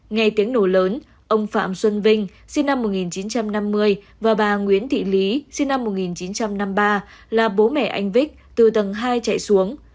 nghe tiếng nổ lớn ông phạm xuân vinh sinh năm một nghìn chín trăm năm mươi và bà nguyễn thị lý sinh năm một nghìn chín trăm năm mươi ba là bố mẹ anh vích từ tầng hai chạy xuống